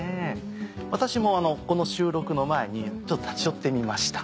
私もこの収録の前に立ち寄ってみました。